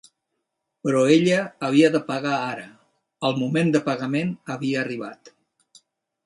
Però ella havia de pagar ara; el moment de pagament havia arribat.